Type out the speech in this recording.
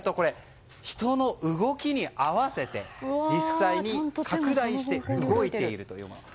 人の動きに合わせて実際に拡大して動いているというもので。